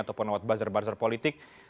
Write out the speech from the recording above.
ataupun lewat buzzer buzzer politik